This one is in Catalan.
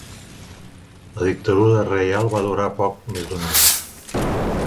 La dictadura reial va durar poc més d'un any.